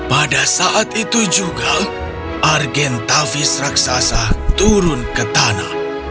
pada saat itu juga argentavis raksasa turun ke tanah